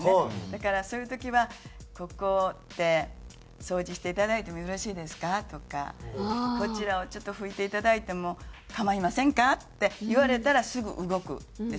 だからそういう時は「ここって掃除していただいてもよろしいですか？」とか「こちらをちょっと拭いていただいても構いませんか？」って言われたらすぐ動くんですね。